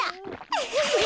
ウフフフ。